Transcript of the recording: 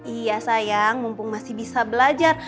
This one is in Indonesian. iya sayang mumpung masih bisa belajar